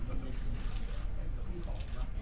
แต่ว่าสามีด้วยคือเราอยู่บ้านเดิมแต่ว่าสามีด้วยคือเราอยู่บ้านเดิม